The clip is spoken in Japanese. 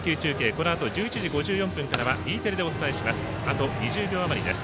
このあと１１時５４分からはＥテレでお伝えします。